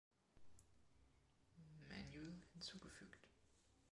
Manual hinzugefügt.